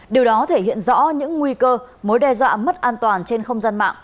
điều đó thể hiện rõ những nguy cơ mối đe dọa mất an toàn trên không gian mạng